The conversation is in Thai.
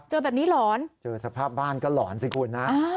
เจอแบบนี้หลอนเจอสภาพบ้านก็หลอนสิคุณนะ